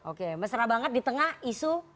oke mesra banget di tengah isu